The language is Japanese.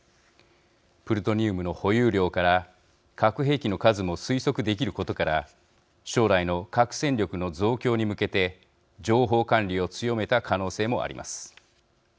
プルトニウムの保有量から核兵器の数も推測できることから将来の核戦力の増強に向けて情報管理を強めた可能性もあります。